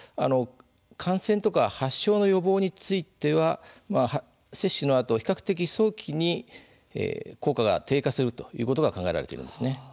感染とか発症の予防については接種のあと比較的早期に効果が低下するということが考えられているんです。